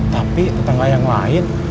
tapi tetangga yang lain